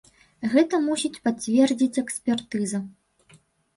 Гэта мусіць пацвердзіць экспертыза.